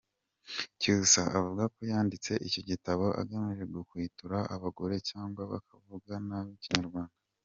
Cyusa avuga ko yanditse icyo gitabo agamije guhwitura abagoreka cyangwa bakavuga nabi Ikinyarwanda.